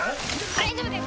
大丈夫です